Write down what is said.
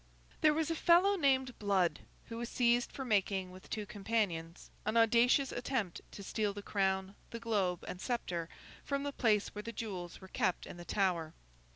There was a fellow named Blood, who was seized for making, with two companions, an audacious attempt to steal the crown, the globe, and sceptre, from the place where the jewels were kept in the Tower.